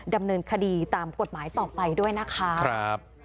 ดำเนินคดีตามกฎหมายต่อไปด้วยนะคะ